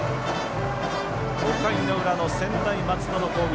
５回の裏の専大松戸の攻撃。